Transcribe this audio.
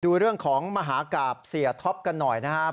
ดูเรื่องของมหากราบเสียท็อปกันหน่อยนะครับ